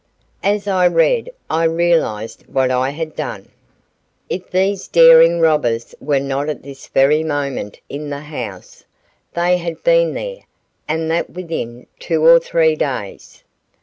As I read I realized what I had done. If these daring robbers were not at this very moment in the house, they had been there, and that within two or three days.